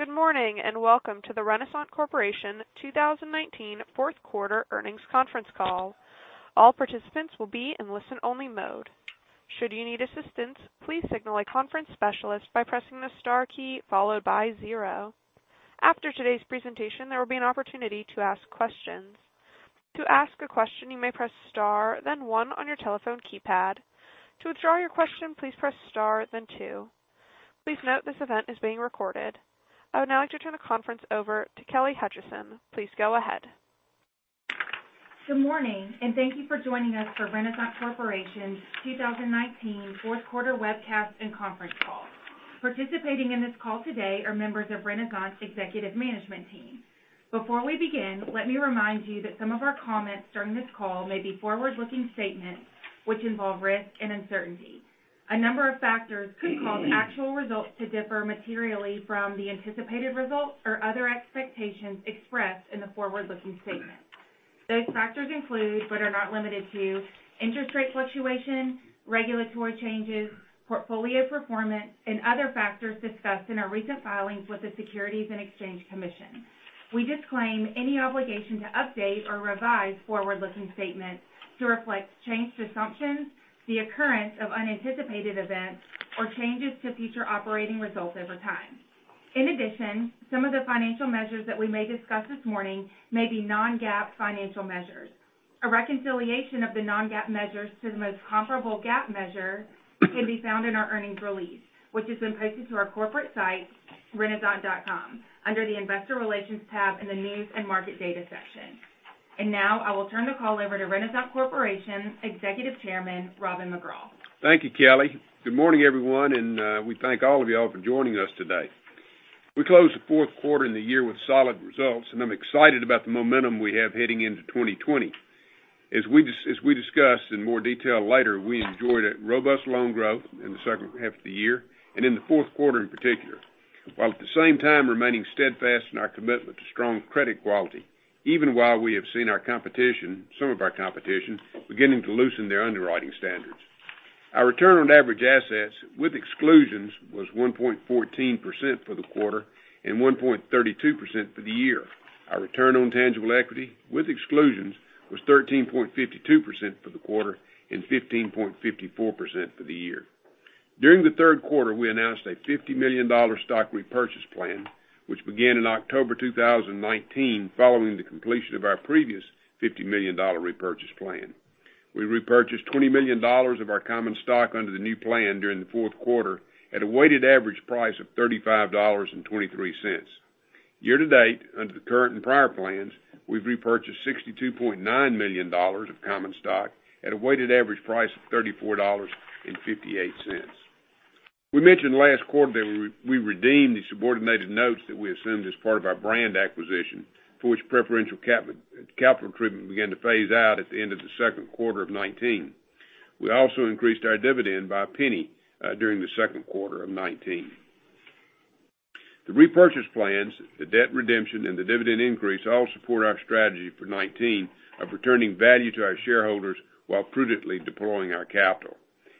Good morning, and welcome to the Renasant Corporation 2019 fourth quarter earnings conference call. All participants will be in listen-only mode. Should you need assistance, please signal a conference specialist by pressing the star key followed by zero. After today's presentation, there will be an opportunity to ask questions. To ask a question, you may press star then one on your telephone keypad. To withdraw your question, please press star then two. Please note this event is being recorded. I would now like to turn the conference over to Kelly Hutcheson. Please go ahead. Good morning. Thank you for joining us for Renasant Corporation's 2019 fourth quarter webcast and conference call. Participating in this call today are members of Renasant's executive management team. Before we begin, let me remind you that some of our comments during this call may be forward-looking statements which involve risk and uncertainty. A number of factors could cause actual results to differ materially from the anticipated results or other expectations expressed in the forward-looking statement. Those factors include, but are not limited to, interest rate fluctuation, regulatory changes, portfolio performance, and other factors discussed in our recent filings with the Securities and Exchange Commission. We disclaim any obligation to update or revise forward-looking statements to reflect changed assumptions, the occurrence of unanticipated events, or changes to future operating results over time. In addition, some of the financial measures that we may discuss this morning may be non-GAAP financial measures. A reconciliation of the non-GAAP measures to the most comparable GAAP measure can be found in our earnings release, which has been posted to our corporate site, renasant.com, under the Investor Relations tab in the News & Market Data section. I will turn the call over to Renasant Corporation's Executive Chairman, Robin McGraw. Thank you, Kelly. Good morning, everyone, and we thank all of y'all for joining us today. We closed the fourth quarter and the year with solid results, and I'm excited about the momentum we have heading into 2020. As we discuss in more detail later, we enjoyed a robust loan growth in the second half of the year and in the fourth quarter in particular, while at the same time remaining steadfast in our commitment to strong credit quality, even while we have seen our competition, some of our competition, beginning to loosen their underwriting standards. Our return on average assets with exclusions was 1.14% for the quarter and 1.32% for the year. Our return on tangible equity with exclusions was 13.52% for the quarter and 15.54% for the year. During the third quarter, we announced a $50 million stock repurchase plan, which began in October 2019, following the completion of our previous $50 million repurchase plan. We repurchased $20 million of our common stock under the new plan during the fourth quarter at a weighted average price of $35.23. Year to date, under the current and prior plans, we've repurchased $62.9 million of common stock at a weighted average price of $34.58. We mentioned last quarter that we redeemed the subordinated notes that we assumed as part of our brand acquisition, for which preferential capital treatment began to phase out at the end of the second quarter of 2019. We also increased our dividend by $0.01, during the second quarter of 2019. The repurchase plans, the debt redemption, and the dividend increase all support our strategy for 2019 of returning value to our shareholders while prudently deploying our capital.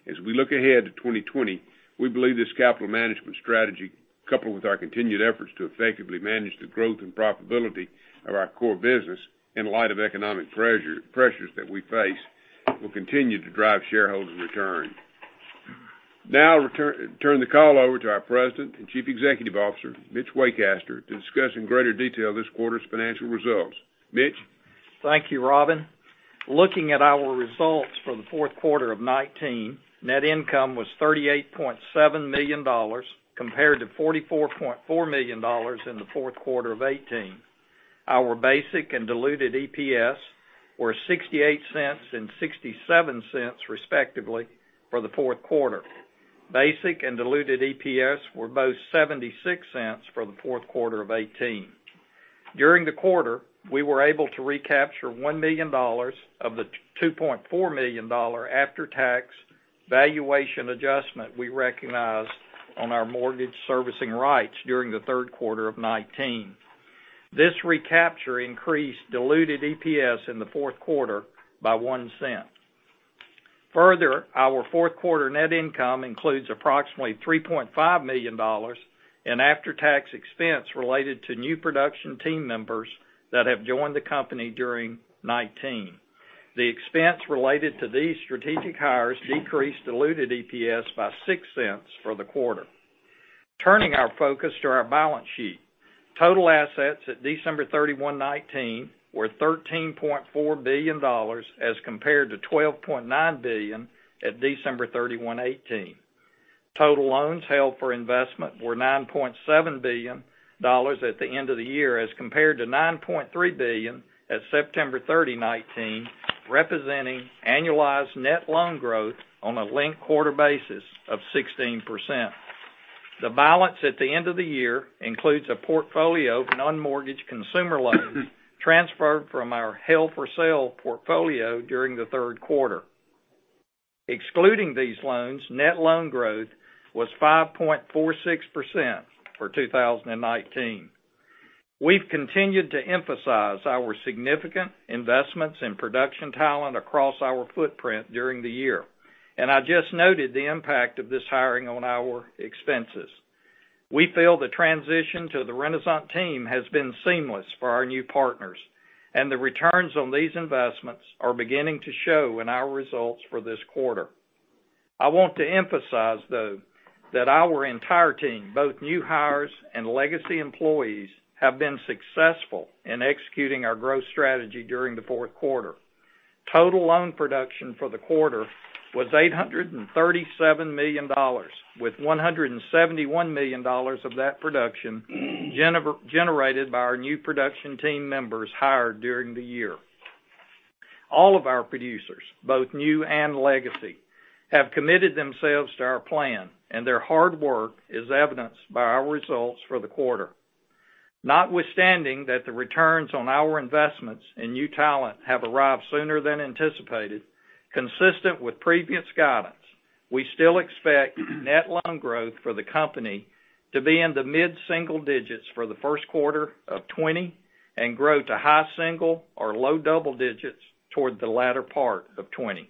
As we look ahead to 2020, we believe this capital management strategy, coupled with our continued efforts to effectively manage the growth and profitability of our core business in light of economic pressures that we face, will continue to drive shareholder return. Now, I'll turn the call over to our President and Chief Executive Officer, Mitch Waycaster, to discuss in greater detail this quarter's financial results. Mitch? Thank you, Robin. Looking at our results for the fourth quarter of 2019, net income was $38.7 million, compared to $44.4 million in the fourth quarter of 2018. Our basic and diluted EPS were $0.68 and $0.67, respectively, for the fourth quarter. Basic and diluted EPS were both $0.76 for the fourth quarter of 2018. During the quarter, we were able to recapture $1 million of the $2.4 million after-tax valuation adjustment we recognized on our mortgage servicing rights during the third quarter of 2019. This recapture increased diluted EPS in the fourth quarter by $0.01. Further, our fourth quarter net income includes approximately $3.5 million in after-tax expense related to new production team members that have joined the company during 2019. The expense related to these strategic hires decreased diluted EPS by $0.06 for the quarter. Turning our focus to our balance sheet. Total assets at December 31, 2019, were $13.4 billion as compared to $12.9 billion at December 31, 2018. Total loans held for investment were $9.7 billion at the end of the year, as compared to $9.3 billion at September 30, 2019, representing annualized net loan growth on a linked quarter basis of 16%. The balance at the end of the year includes a portfolio of non-mortgage consumer loans transferred from our held for sale portfolio during the third quarter. Excluding these loans, net loan growth was 5.46% for 2019. We've continued to emphasize our significant investments in production talent across our footprint during the year. I just noted the impact of this hiring on our expenses. We feel the transition to the Renasant team has been seamless for our new partners. The returns on these investments are beginning to show in our results for this quarter. I want to emphasize, though, that our entire team, both new hires and legacy employees, have been successful in executing our growth strategy during the fourth quarter. Total loan production for the quarter was $837 million, with $171 million of that production generated by our new production team members hired during the year. All of our producers, both new and legacy, have committed themselves to our plan, and their hard work is evidenced by our results for the quarter. Notwithstanding that the returns on our investments in new talent have arrived sooner than anticipated, consistent with previous guidance, we still expect net loan growth for the company to be in the mid-single digits for the first quarter of 2020, and grow to high single or low double digits toward the latter part of 2020.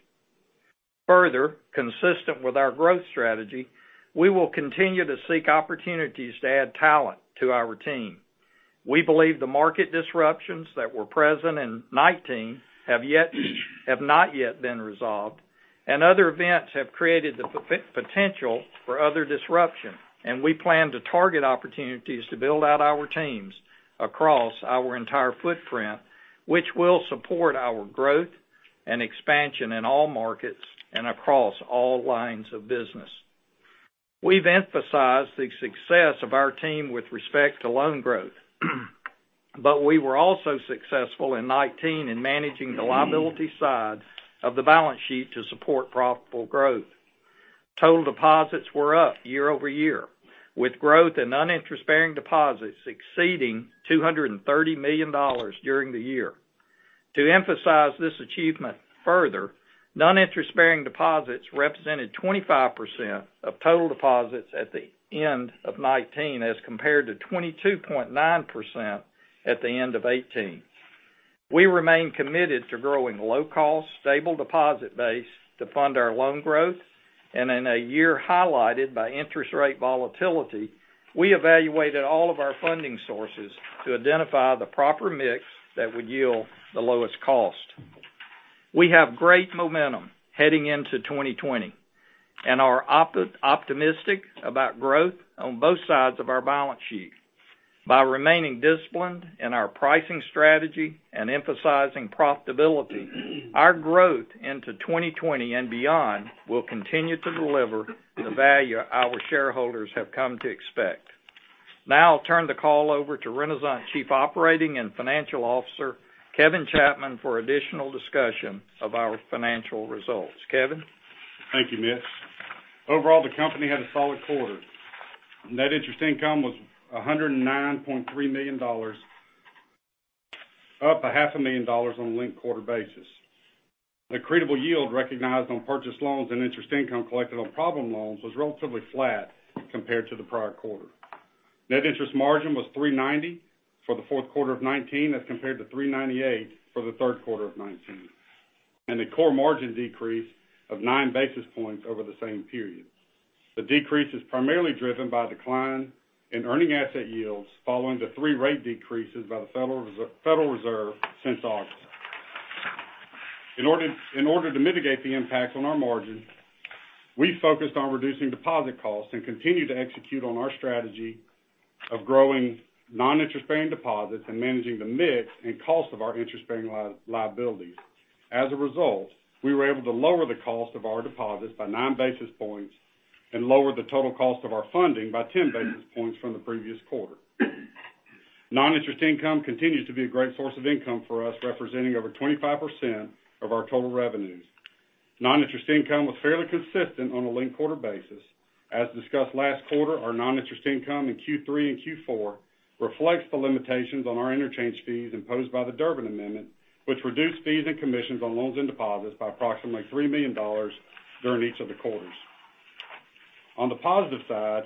Further, consistent with our growth strategy, we will continue to seek opportunities to add talent to our team. We believe the market disruptions that were present in 2019 have not yet been resolved, and other events have created the potential for other disruption, and we plan to target opportunities to build out our teams across our entire footprint, which will support our growth and expansion in all markets and across all lines of business. We've emphasized the success of our team with respect to loan growth, but we were also successful in 2019 in managing the liability side of the balance sheet to support profitable growth. Total deposits were up year-over-year, with growth in non-interest bearing deposits exceeding $230 million during the year. To emphasize this achievement further, non-interest bearing deposits represented 25% of total deposits at the end of 2019, as compared to 22.9% at the end of 2018. We remain committed to growing low-cost, stable deposit base to fund our loan growth. In a year highlighted by interest rate volatility, we evaluated all of our funding sources to identify the proper mix that would yield the lowest cost. We have great momentum heading into 2020 and are optimistic about growth on both sides of our balance sheet. By remaining disciplined in our pricing strategy and emphasizing profitability, our growth into 2020 and beyond will continue to deliver the value our shareholders have come to expect. Now I'll turn the call over to Renasant Chief Operating and Financial Officer, Kevin Chapman, for additional discussion of our financial results. Kevin? Thank you, Mitch. Overall, the company had a solid quarter. Net interest income was $109.3 million, up a half a million dollars on a linked-quarter basis. The creditable yield recognized on purchased loans and interest income collected on problem loans was relatively flat compared to the prior quarter. Net interest margin was 390 for the fourth quarter of 2019, as compared to 398 for the third quarter of 2019, and a core margin decrease of nine basis points over the same period. The decrease is primarily driven by decline in earning asset yields following the three rate decreases by the Federal Reserve since August. In order to mitigate the impacts on our margins, we focused on reducing deposit costs and continued to execute on our strategy of growing non-interest-bearing deposits and managing the mix and cost of our interest-bearing liabilities. As a result, we were able to lower the cost of our deposits by nine basis points and lower the total cost of our funding by 10 basis points from the previous quarter. Non-interest income continues to be a great source of income for us, representing over 25% of our total revenues. Non-interest income was fairly consistent on a linked-quarter basis. As discussed last quarter, our non-interest income in Q3 and Q4 reflects the limitations on our interchange fees imposed by the Durbin Amendment, which reduced fees and commissions on loans and deposits by approximately $3 million during each of the quarters. On the positive side,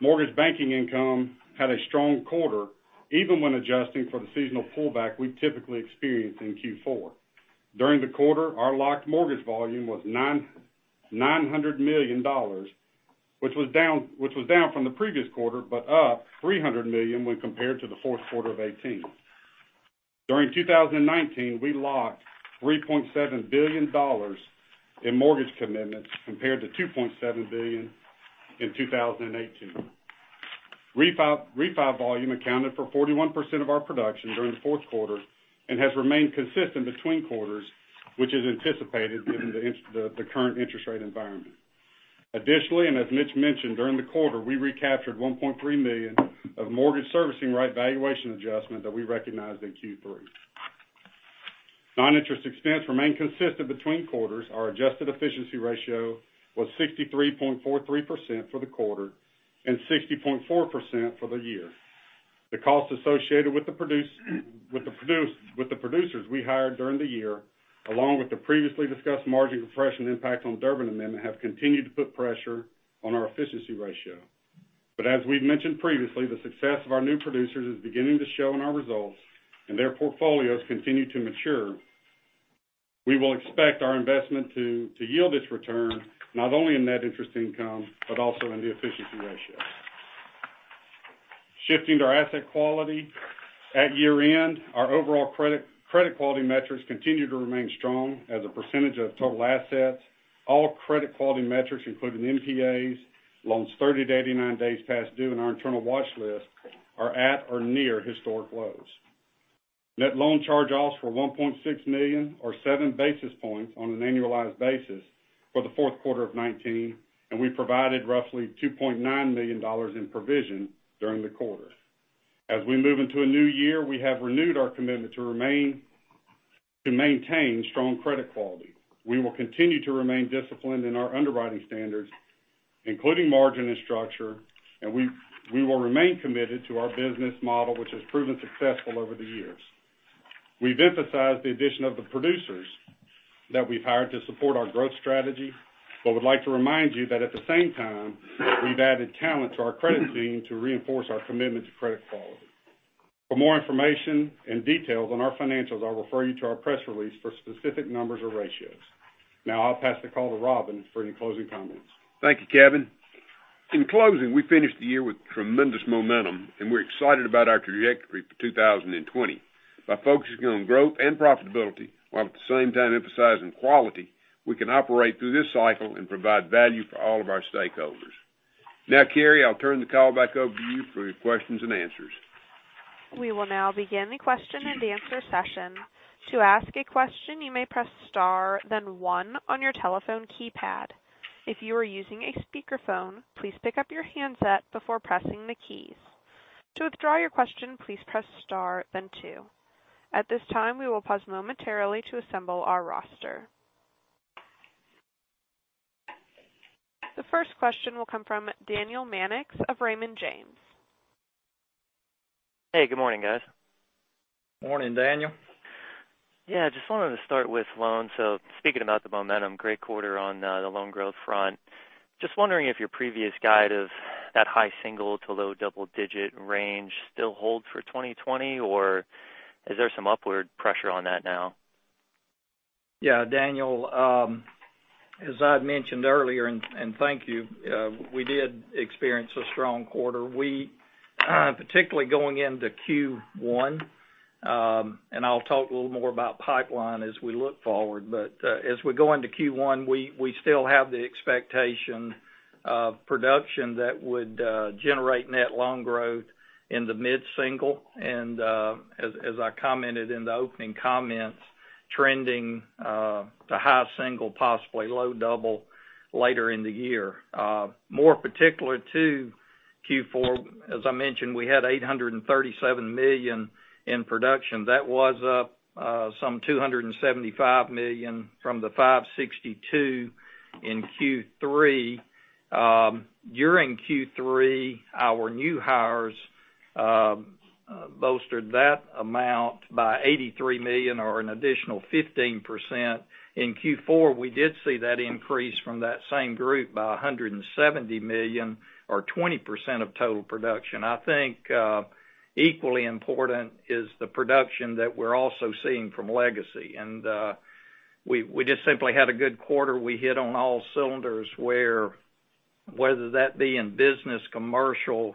mortgage banking income had a strong quarter, even when adjusting for the seasonal pullback we typically experience in Q4. During the quarter, our locked mortgage volume was $900 million, which was down from the previous quarter, but up $300 million when compared to the fourth quarter of 2018. During 2019, we locked $3.7 billion in mortgage commitments compared to $2.7 billion in 2018. Refi volume accounted for 41% of our production during the fourth quarter and has remained consistent between quarters, which is anticipated given the current interest rate environment. Additionally, as Mitch mentioned, during the quarter, we recaptured $1.3 million of mortgage servicing right valuation adjustment that we recognized in Q3. Non-interest expense remained consistent between quarters. Our adjusted efficiency ratio was 63.43% for the quarter and 60.4% for the year. The cost associated with the producers we hired during the year, along with the previously discussed margin compression impact on Durbin Amendment, have continued to put pressure on our efficiency ratio. As we've mentioned previously, the success of our new producers is beginning to show in our results, and their portfolios continue to mature. We will expect our investment to yield its return, not only in net interest income, but also in the efficiency ratio. Shifting to our asset quality. At year-end, our overall credit quality metrics continued to remain strong as a percentage of total assets. All credit quality metrics, including NPAs, loans 30-89 days past due, and our internal watch list, are at or near historic lows. Net loan charge-offs were $1.6 million, or seven basis points on an annualized basis for the fourth quarter of 2019, and we provided roughly $2.9 million in provision during the quarter. As we move into a new year, we have renewed our commitment to maintain strong credit quality. We will continue to remain disciplined in our underwriting standards, including margin and structure, and we will remain committed to our business model, which has proven successful over the years. We've emphasized the addition of the producers that we've hired to support our growth strategy, but would like to remind you that at the same time, we've added talent to our credit team to reinforce our commitment to credit quality. For more information and details on our financials, I'll refer you to our press release for specific numbers or ratios. Now, I'll pass the call to Robin for any closing comments. Thank you, Kevin. In closing, we finished the year with tremendous momentum, and we're excited about our trajectory for 2020. By focusing on growth and profitability, while at the same time emphasizing quality, we can operate through this cycle and provide value for all of our stakeholders. Now, Carrie, I'll turn the call back over to you for your questions and answers. We will now begin the question-and-answer session. To ask a question, you may press star then one on your telephone keypad. If you are using a speakerphone, please pick up your handset before pressing the keys. To withdraw your question, please press star, then two. At this time, we will pause momentarily to assemble our roster. The first question will come from Daniel Mannix of Raymond James. Hey, good morning, guys. Morning, Daniel. Yeah, just wanted to start with loans. Speaking about the momentum, great quarter on the loan growth front. Just wondering if your previous guide of that high single to low double digit range still holds for 2020, or is there some upward pressure on that now? Yeah, Daniel, as I'd mentioned earlier, and thank you, we did experience a strong quarter. We, particularly going into Q1, and I'll talk a little more about pipeline as we look forward, but, as we go into Q1, we still have the expectation of production that would generate net loan growth in the mid-single, and, as I commented in the opening comments, trending to high single, possibly low double later in the year. More particular to Q4, as I mentioned, we had $837 million in production. That was up some $275 million from the $562 in Q3. During Q3, our new hires bolstered that amount by $83 million or an additional 15%. In Q4, we did see that increase from that same group by $170 million or 20% of total production. I think equally important is the production that we're also seeing from legacy. We just simply had a good quarter. We hit on all cylinders where, whether that be in business, commercial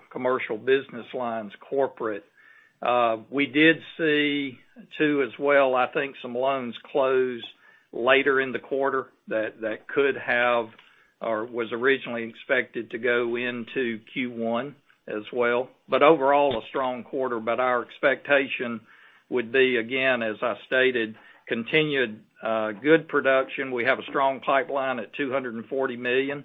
business lines, corporate. We did see, too, as well, I think, some loans close later in the quarter that could have or was originally expected to go into Q1 as well. Overall, a strong quarter. Our expectation would be, again, as I stated, continued good production. We have a strong pipeline at $240 million.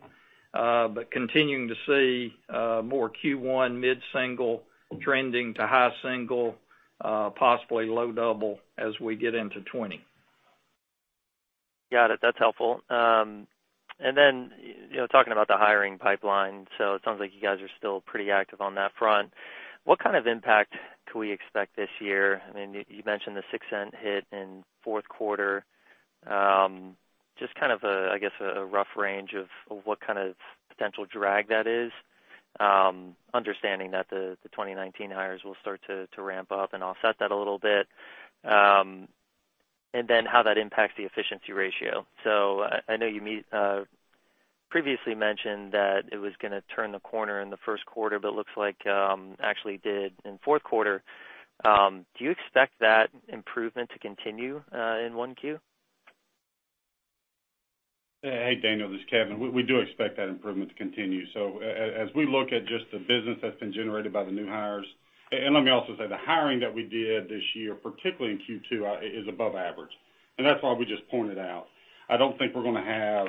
Continuing to see more Q1 mid-single trending to high single, possibly low double as we get into 2020. Got it. That's helpful. Talking about the hiring pipeline, it sounds like you guys are still pretty active on that front. What kind of impact could we expect this year? I mean, you mentioned the $0.06 hit in fourth quarter. Just kind of, I guess, a rough range of what kind of potential drag that is, understanding that the 2019 hires will start to ramp up and offset that a little bit, and then how that impacts the efficiency ratio. I know you previously mentioned that it was going to turn the corner in the first quarter, it looks like, actually did in fourth quarter. Do you expect that improvement to continue in 1Q? Hey, Daniel, this is Kevin. We do expect that improvement to continue. As we look at just the business that's been generated by the new hires, let me also say, the hiring that we did this year, particularly in Q2, is above average. That's why we just pointed out, I don't think we're going to have,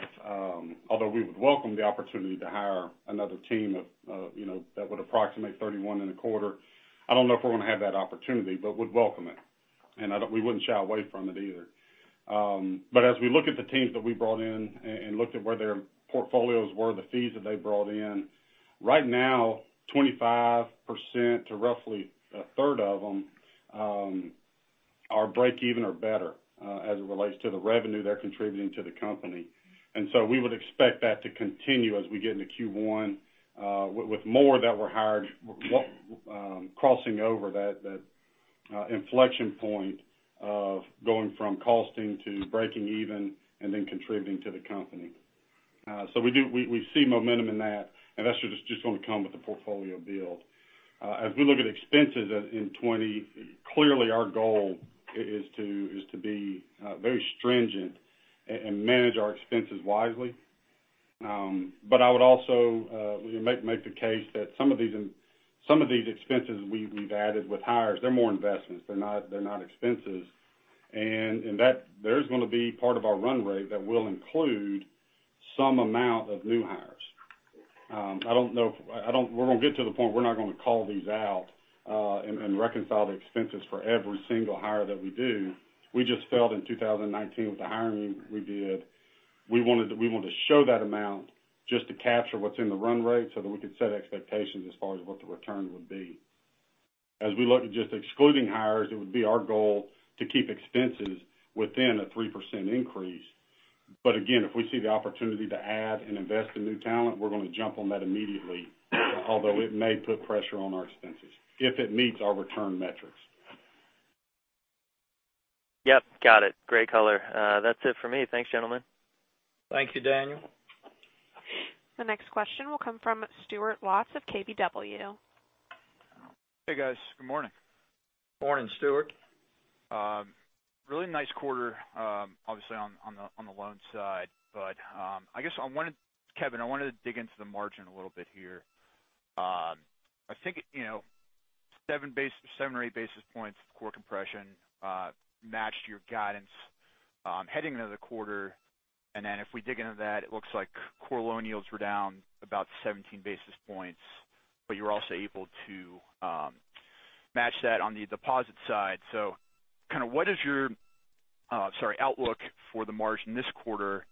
although we would welcome the opportunity to hire another team of, that would approximate 31 in a quarter, I don't know if we're going to have that opportunity, but would welcome it. We wouldn't shy away from it either. As we look at the teams that we brought in and look at where their portfolios were, the fees that they brought in, right now, 25% to roughly a third of them are break even or better, as it relates to the revenue they're contributing to the company. We would expect that to continue as we get into Q1, with more that were hired crossing over that inflection point of going from costing to breaking even, and then contributing to the company. We see momentum in that, and that's just going to come with the portfolio build. As we look at expenses in 2020, clearly, our goal is to be very stringent and manage our expenses wisely. I would also make the case that some of these expenses we've added with hires, they're more investments, they're not expenses. There's going to be part of our run rate that will include some amount of new hires. We're going to get to the point, we're not going to call these out and reconcile the expenses for every single hire that we do. We just felt in 2019 with the hiring we did, we want to show that amount just to capture what's in the run rate so that we could set expectations as far as what the return would be. As we look at just excluding hires, it would be our goal to keep expenses within a 3% increase. Again, if we see the opportunity to add and invest in new talent, we're going to jump on that immediately. Although it may put pressure on our expenses, if it meets our return metrics. Yep, got it. Great color. That's it for me. Thanks, gentlemen. Thank you, Daniel. The next question will come from Stuart Lotz of KBW. Hey, guys. Good morning. Morning, Stuart. Really nice quarter, obviously on the loan side. Kevin, I wanted to dig into the margin a little bit here. I think 7-8 basis points core compression matched your guidance heading into the quarter. If we dig into that, it looks like core loan yields were down about 17 basis points, but you were also able to match that on the deposit side. What is your outlook for the margin this quarter,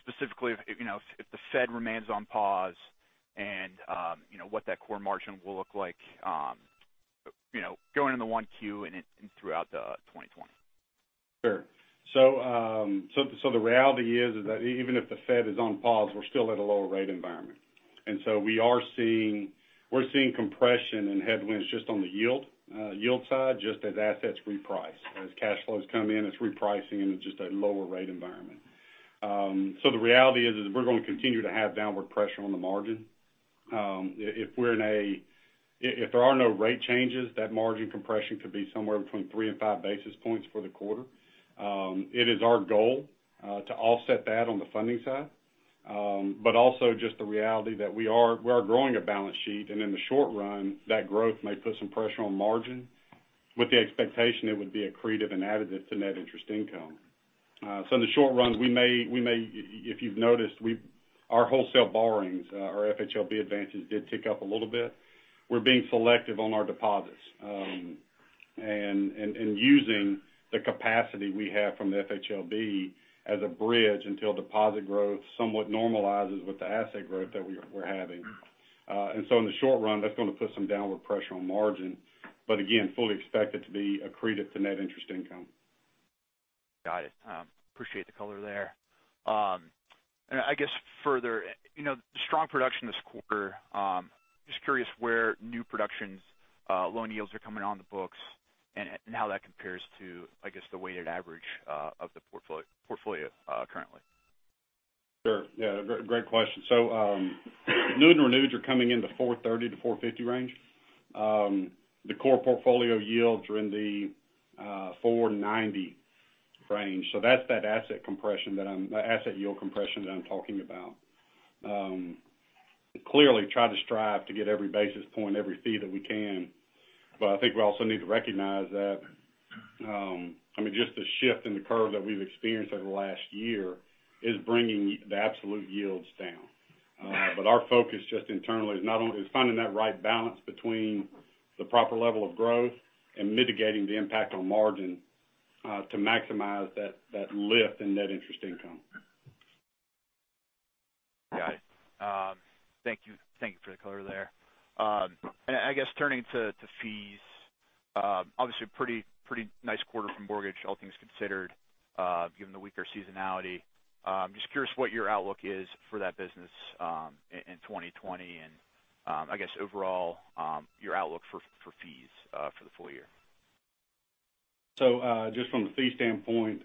specifically if the Fed remains on pause, and what that core margin will look like going into 1Q and throughout 2020? Sure. The reality is that even if the Fed is on pause, we're still at a lower rate environment. We're seeing compression and headwinds just on the yield side, just as assets reprice. As cash flows come in, it's repricing into just a lower rate environment. The reality is, we're going to continue to have downward pressure on the margin. If there are no rate changes, that margin compression could be somewhere between three and five basis points for the quarter. It is our goal to offset that on the funding side. Also just the reality that we are growing a balance sheet, and in the short run, that growth may put some pressure on margin, with the expectation it would be accretive and additive to net interest income. In the short run, if you've noticed, our wholesale borrowings, our FHLB advances did tick up a little bit. We're being selective on our deposits, and using the capacity we have from the FHLB as a bridge until deposit growth somewhat normalizes with the asset growth that we're having. In the short run, that's going to put some downward pressure on margin. Again, fully expect it to be accretive to net interest income. Got it. Appreciate the color there. I guess further, the strong production this quarter, just curious where new production loan yields are coming on the books and how that compares to, I guess, the weighted average of the portfolio currently? Sure. Yeah. Great question. New and reneweds are coming in the 430-450 range. The core portfolio yields are in the 490 range. That's that asset yield compression that I'm talking about. Clearly, try to strive to get every basis point, every fee that we can. I think we also need to recognize that just the shift in the curve that we've experienced over the last year is bringing the absolute yields down. Our focus just internally is finding that right balance between the proper level of growth and mitigating the impact on margin to maximize that lift in net interest income. Got it. Thank you for the color there. I guess turning to fees, obviously a pretty nice quarter from mortgage, all things considered, given the weaker seasonality. Just curious what your outlook is for that business in 2020, and I guess overall, your outlook for fees for the full year. Just from the fee standpoint,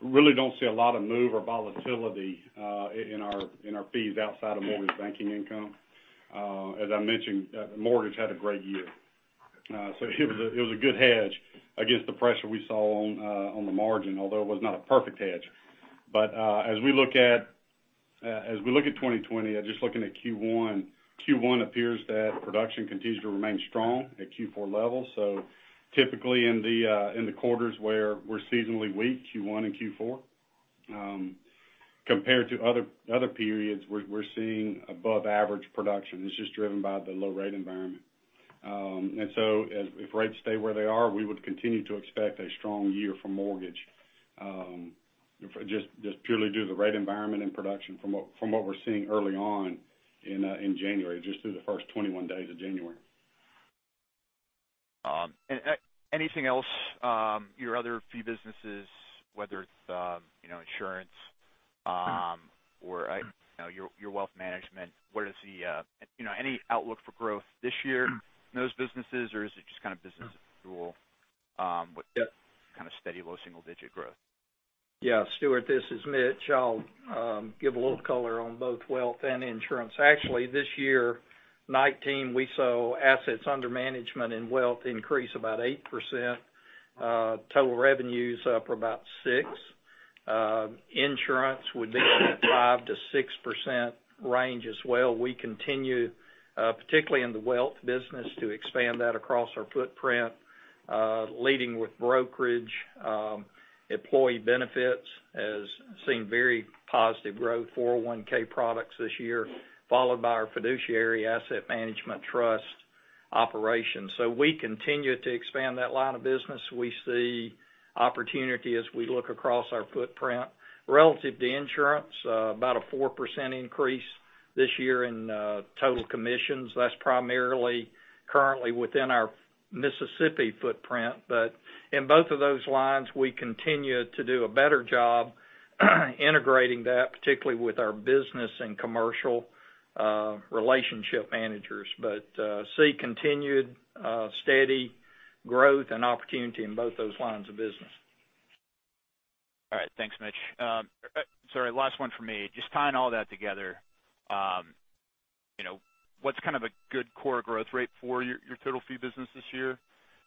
really don't see a lot of move or volatility in our fees outside of mortgage banking income. As I mentioned, mortgage had a great year. It was a good hedge against the pressure we saw on the margin, although it was not a perfect hedge. As we look at 2020, just looking at Q1 appears that production continues to remain strong at Q4 levels. Typically in the quarters where we're seasonally weak, Q1 and Q4, compared to other periods, we're seeing above average production. It's just driven by the low rate environment. If rates stay where they are, we would continue to expect a strong year for mortgage. Just purely due to the rate environment and production from what we're seeing early on in January, just through the first 21 days of January. Anything else, your other fee businesses, whether it's insurance or your wealth management, any outlook for growth this year in those businesses or is it just kind of business as usual? Yep. Kind of steady low single-digit growth? Yeah, Stuart, this is Mitch. I'll give a little color on both wealth and insurance. Actually, this year, 2019, we saw assets under management and wealth increase about 8%, total revenues up for about 6%. Insurance would be in that 5%-6% range as well. We continue, particularly in the wealth business, to expand that across our footprint, leading with brokerage. Employee benefits has seen very positive growth, 401(k) products this year, followed by our fiduciary asset management trust operations. We continue to expand that line of business. We see opportunity as we look across our footprint. Relative to insurance, about a 4% increase this year in total commissions. That's primarily currently within our Mississippi footprint. In both of those lines, we continue to do a better job integrating that, particularly with our business and commercial relationship managers. See continued steady growth and opportunity in both those lines of business. All right. Thanks, Mitch. Sorry, last one from me. Just tying all that together, what's kind of a good core growth rate for your total fee business this year?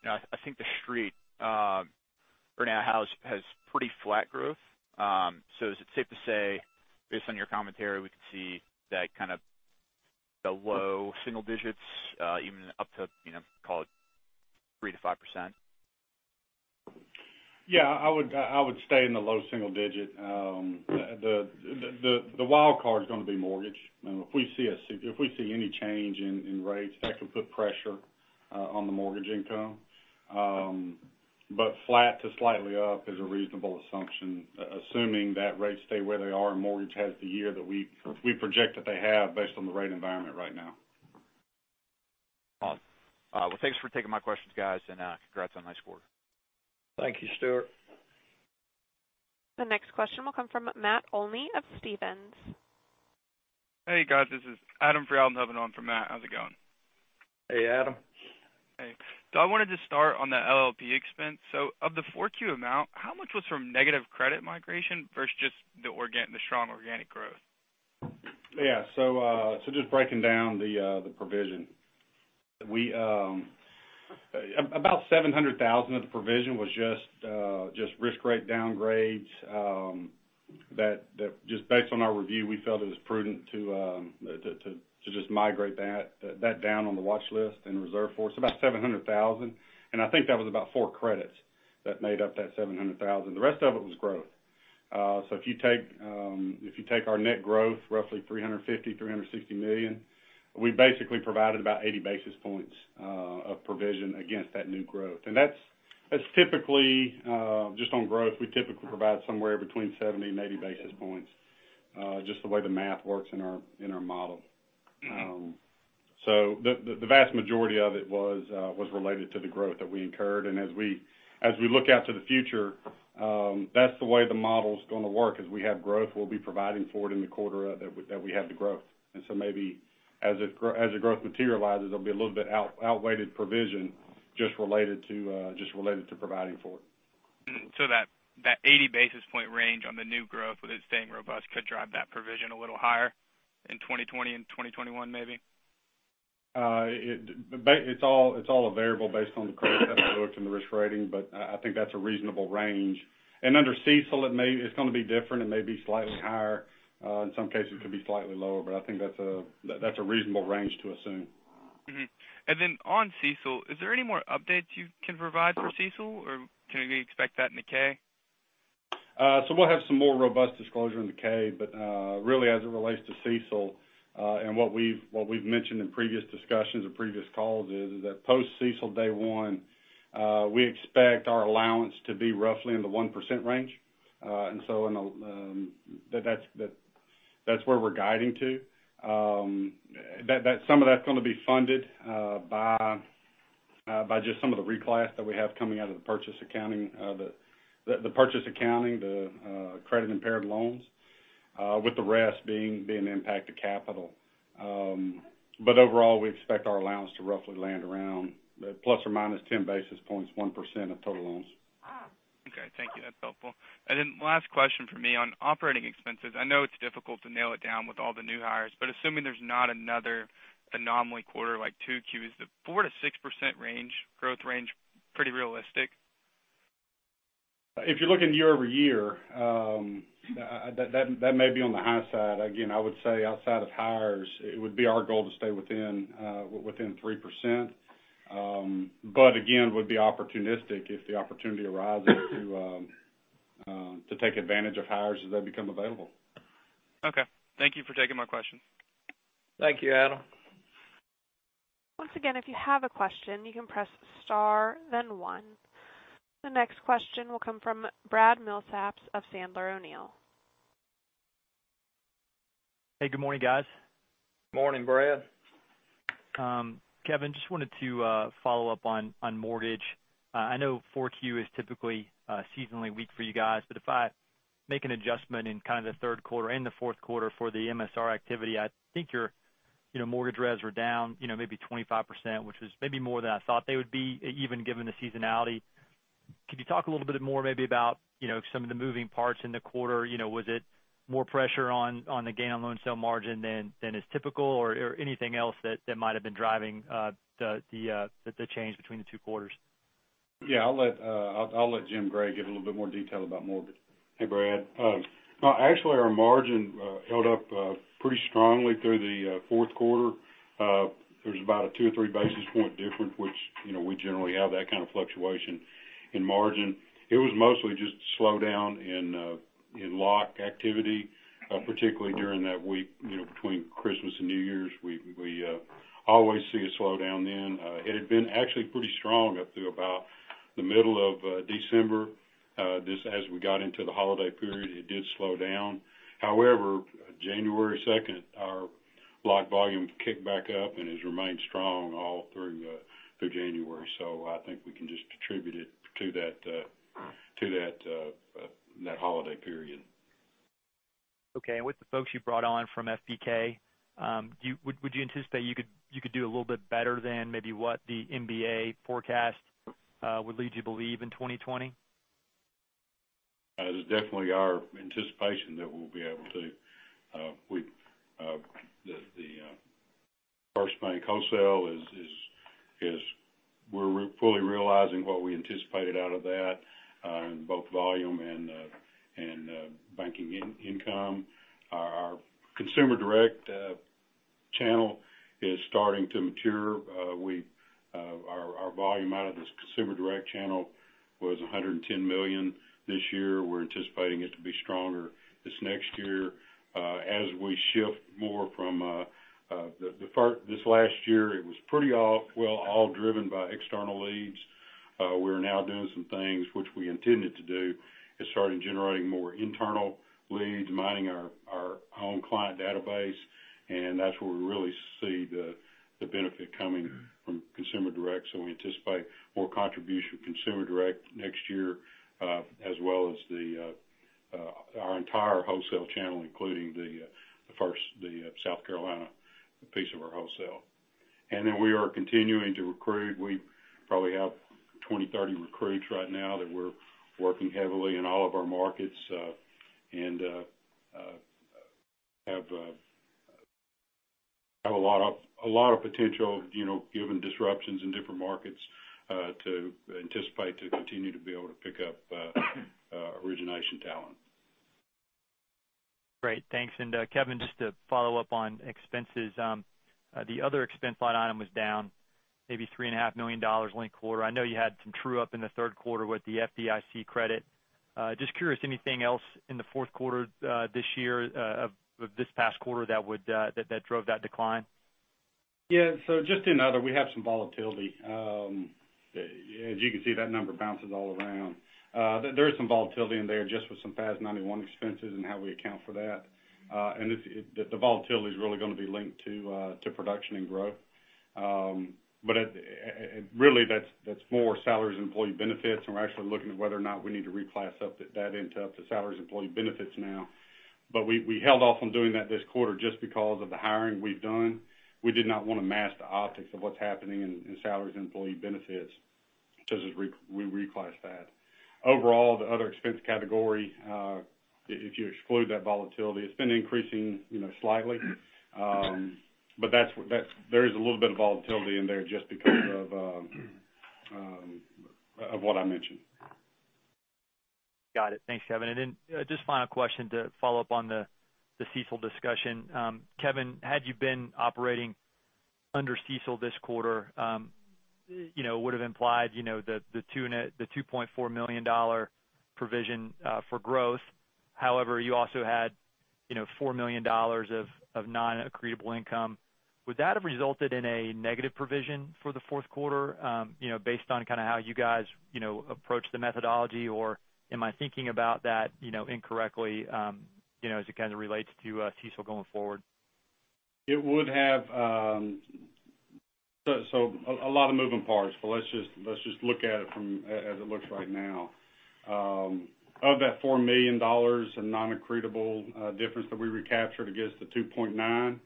I think the street right now has pretty flat growth. Is it safe to say, based on your commentary, we could see that kind of the low single digits, even up to, call it 3%-5%? Yeah, I would stay in the low single digit. The wild card is going to be mortgage. If we see any change in rates, that could put pressure on the mortgage income. Flat to slightly up is a reasonable assumption, assuming that rates stay where they are and mortgage has the year that we project that they have based on the rate environment right now. Awesome. Well, thanks for taking my questions, guys. Congrats on a nice quarter. Thank you, Stuart. The next question will come from Matt Olney of Stephens. Hey, guys, this is Adam [Free]. I'm jumping on for Matt. How's it going? Hey, Adam. Hey. I wanted to start on the LLP expense. Of the Q4 amount, how much was from negative credit migration versus just the strong organic growth? Yeah. Just breaking down the provision. About $700,000 of the provision was just risk rate downgrades. That just based on our review, we felt it was prudent to just migrate that down on the watchlist and reserve for it. About $700,000, and I think that was about four credits that made up that $700,000. The rest of it was growth. If you take our net growth, roughly $350 million-$360 million, we basically provided about 80 basis points of provision against that new growth. Just on growth, we typically provide somewhere between 70 basis points and 80 basis points, just the way the math works in our model. The vast majority of it was related to the growth that we incurred. As we look out to the future, that's the way the model's going to work, is we have growth, we'll be providing for it in the quarter that we have the growth. Maybe as the growth materializes, there'll be a little bit outweighed provision just related to providing for it. That 80 basis point range on the new growth, with it staying robust, could drive that provision a little higher in 2020 and 2021, maybe? It's all a variable based on the credit that we looked and the risk rating. I think that's a reasonable range. Under CECL, it's going to be different. It may be slightly higher. In some cases, it could be slightly lower. I think that's a reasonable range to assume. Mm-hmm. Then on CECL, is there any more updates you can provide for CECL, or can we expect that in the K? We will have some more robust disclosure in the K, but really as it relates to CECL, and what we've mentioned in previous discussions or previous calls is that post-CECL day one, we expect our allowance to be roughly in the 1% range. That is where we are guiding to. Some of that's going to be funded by just some of the reclass that we have coming out of the purchase accounting, the credit-impaired loans, with the rest being impact to capital. Overall, we expect our allowance to roughly land around ±10 basis points, 1% of total loans. Okay. Thank you. That's helpful. Then last question from me. On operating expenses, I know it's difficult to nail it down with all the new hires, but assuming there's not another anomaly quarter like 2Q, is the 4%-6% growth range pretty realistic? If you're looking year-over-year, that may be on the high side. Again, I would say outside of hires, it would be our goal to stay within 3%. Again, we'll be opportunistic if the opportunity arises to take advantage of hires as they become available. Okay. Thank you for taking my question. Thank you, Adam. Once again, if you have a question, you can press star then one. The next question will come from Brad Milsaps of Sandler O'Neill. Hey, good morning, guys. Morning, Brad. Kevin, just wanted to follow up on mortgage. I know 4Q is typically seasonally weak for you guys, but if I make an adjustment in kind of the third quarter and the fourth quarter for the MSR activity, I think your mortgage revs were down maybe 25%, which was maybe more than I thought they would be, even given the seasonality. Could you talk a little bit more maybe about some of the moving parts in the quarter? Was it more pressure on the gain on loan sale margin than is typical, or anything else that might have been driving the change between the two quarters? Yeah, I'll let Jim Gray give a little bit more detail about mortgage. Hey, Brad. Actually, our margin held up pretty strongly through the fourth quarter. There's about a two or three basis point difference, which we generally have that kind of fluctuation in margin. It was mostly just slowdown in lock activity, particularly during that week between Christmas and New Year's. We always see a slowdown then. It had been actually pretty strong up to about the middle of December. Just as we got into the holiday period, it did slow down. January 2nd, our lock volume kicked back up and has remained strong all through January. I think we can just attribute it to that holiday period. Okay. With the folks you brought on from FBK, would you anticipate you could do a little bit better than maybe what the MBA forecast would lead you to believe in 2020? That is definitely our anticipation that we'll be able to. The First Bank wholesale, we're fully realizing what we anticipated out of that, in both volume and banking income. Our consumer direct channel is starting to mature. Our volume out of this consumer direct channel was $110 million this year. We're anticipating it to be stronger this next year. This last year, it was pretty all driven by external leads. We're now doing some things which we intended to do, is starting generating more internal leads, mining our own client database, and that's where we really see the benefit coming from consumer direct. We anticipate more contribution of consumer direct next year, as well as our entire wholesale channel, including the South Carolina piece of our wholesale. We are continuing to recruit. We probably have 20-30 recruits right now that we're working heavily in all of our markets, and have a lot of potential, given disruptions in different markets, to anticipate to continue to be able to pick up origination talent. Great. Thanks. Kevin, just to follow up on expenses. The other expense line item was down maybe $3.5 million linked quarter. I know you had some true-up in the third quarter with the FDIC credit. Just curious, anything else in the fourth quarter this year, of this past quarter that drove that decline? Yeah. Just to note, we have some volatility. As you can see, that number bounces all around. There is some volatility in there just with some FAS 91 expenses and how we account for that. The volatility is really going to be linked to production and growth. Really, that's more salaries and employee benefits, and we're actually looking at whether or not we need to reclass that into salaries employee benefits now. We held off on doing that this quarter just because of the hiring we've done. We did not want to mask the optics of what's happening in salaries and employee benefits because we reclassed that. Overall, the other expense category, if you exclude that volatility, it's been increasing slightly. There is a little bit of volatility in there just because of what I mentioned. Got it. Thanks, Kevin. Just final question to follow up on the CECL discussion. Kevin, had you been operating under CECL this quarter, it would've implied the $2.4 million provision for growth. However, you also had $4 million of non-accretable income. Would that have resulted in a negative provision for the fourth quarter, based on kind of how you guys approached the methodology, or am I thinking about that incorrectly as it kind of relates to CECL going forward? A lot of moving parts, but let's just look at it as it looks right now. Of that $4 million in non-accretable difference that we recaptured against the $2.9 million,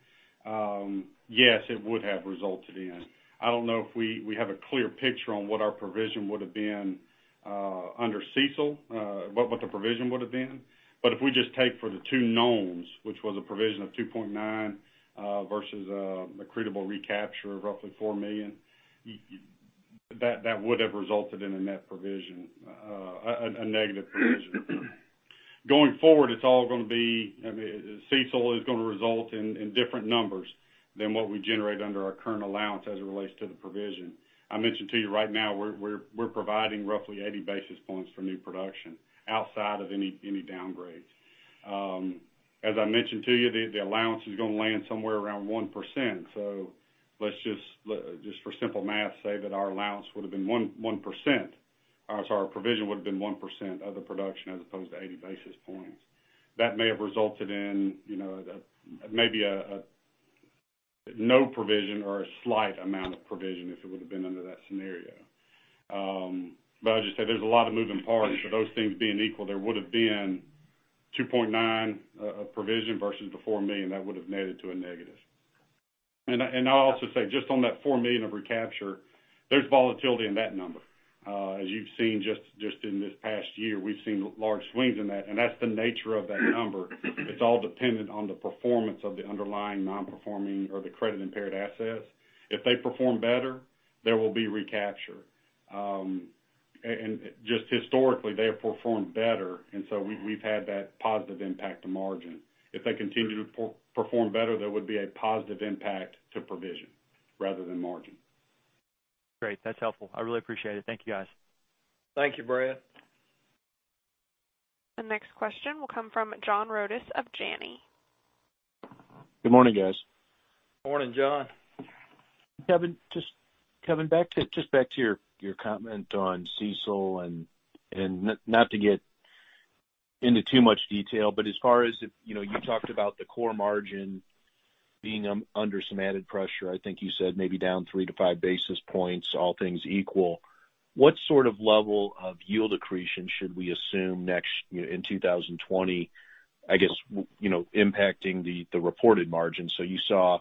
yes, it would have resulted in. I don't know if we have a clear picture on what our provision would've been under CECL, what the provision would've been. If we just take for the two knowns, which was a provision of $2.9 million versus accretable recapture of roughly $4 million, that would have resulted in a net provision, a negative provision. Going forward, CECL is going to result in different numbers than what we generate under our current allowance as it relates to the provision. I mentioned to you right now, we're providing roughly 80 basis points for new production outside of any downgrades. As I mentioned to you, the allowance is going to land somewhere around 1%. Let's just, for simple math, say that our allowance would have been 1%. I'm sorry, our provision would've been 1% of the production as opposed to 80 basis points. That may have resulted in maybe no provision or a slight amount of provision if it would've been under that scenario. I just say there's a lot of moving parts. For those things being equal, there would've been $2.9 million of provision versus the $4 million that would've made it to a negative. I'll also say, just on that $4 million of recapture, there's volatility in that number. As you've seen just in this past year, we've seen large swings in that, and that's the nature of that number. It's all dependent on the performance of the underlying non-performing or the credit-impaired assets. If they perform better, there will be recapture. Just historically, they have performed better, and so we've had that positive impact to margin. If they continue to perform better, there would be a positive impact to provision rather than margin. Great. That's helpful. I really appreciate it. Thank you, guys. Thank you, Brad. The next question will come from John Rodis of Janney. Good morning, guys. Morning, John. Kevin, just back to your comment on CECL, and not to get into too much detail, but as far as if you talked about the core margin being under some added pressure, I think you said maybe down 3-5 basis points, all things equal. What sort of level of yield accretion should we assume in 2020, I guess, impacting the reported margin? You saw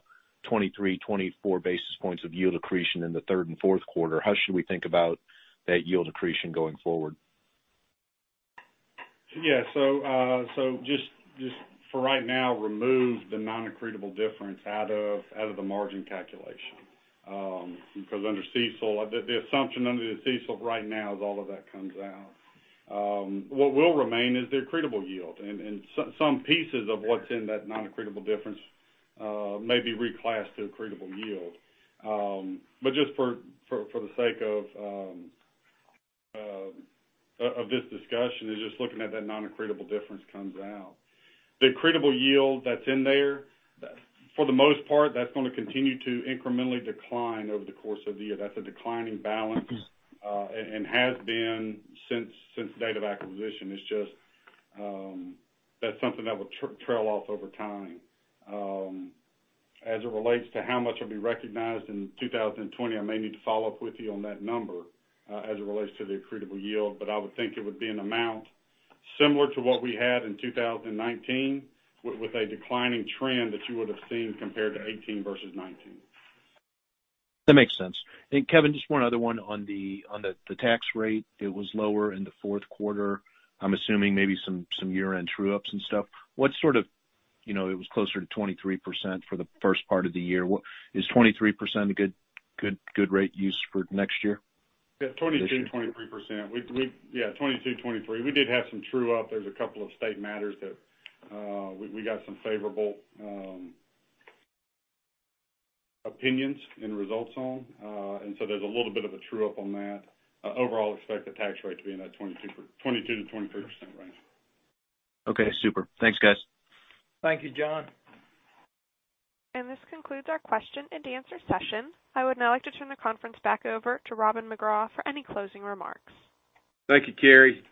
23-24 basis points of yield accretion in the third and fourth quarter. How should we think about that yield accretion going forward? Yeah. Just for right now, remove the non-accretable difference out of the margin calculation. The assumption under the CECL right now is all of that comes out. What will remain is the accretable yield, and some pieces of what's in that non-accretable difference may be reclassed to accretable yield. Just for the sake of this discussion and just looking at that non-accretable difference comes out. The accretable yield that's in there, for the most part, that's going to continue to incrementally decline over the course of the year. That's a declining balance, and has been since the date of acquisition. It's just, that's something that will trail off over time. As it relates to how much will be recognized in 2020, I may need to follow up with you on that number as it relates to the accretable yield, but I would think it would be an amount similar to what we had in 2019 with a declining trend that you would've seen compared to 2018 versus 2019. That makes sense. Kevin, just one other one on the tax rate. It was lower in the fourth quarter. I'm assuming maybe some year-end true-ups and stuff. It was closer to 23% for the first part of the year. Is 23% a good rate use for next year? Yeah. 22%-23%. We did have some true-up. There's a couple of state matters that we got some favorable opinions and results on. There's a little bit of a true-up on that. Overall, expect the tax rate to be in that 22%-23% range. Okay. Super. Thanks, guys. Thank you, John. This concludes our question-and-answer session. I would now like to turn the conference back over to Robin McGraw for any closing remarks. Thank you, Carrie.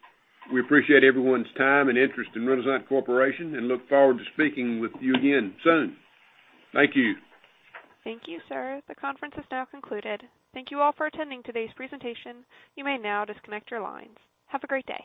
We appreciate everyone's time and interest in Renasant Corporation, and look forward to speaking with you again soon. Thank you. Thank you, sir. The conference is now concluded. Thank you all for attending today's presentation. You may now disconnect your lines. Have a great day.